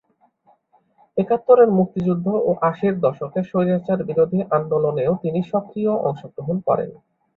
একাত্তরের মুক্তিযুদ্ধ ও আশির দশকে স্বৈরাচারবিরোধী আন্দোলনেও তিনি সক্রিয় অংশগ্রহণ করেন।